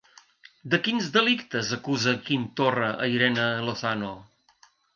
De quins delictes acusa Quim Torra a Irene Lozano?